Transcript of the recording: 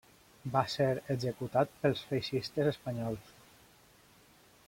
Va ser executat pels feixistes espanyols.